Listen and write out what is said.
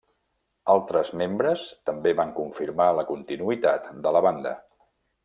Altres membres també van confirmar la continuïtat de la banda.